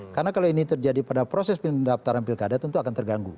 karena kalau ini terjadi pada proses pendaftaran pilkada tentu akan terganggu